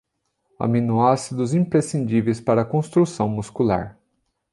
Aminoácidos imprescindíveis para a construção muscular